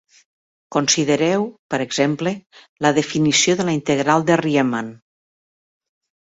Considereu, per exemple, la definició de la integral de Riemann.